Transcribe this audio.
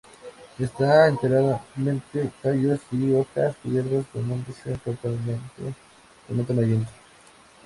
Está enteramente, tallos y hojas, cubierta con un denso tomento amarillento.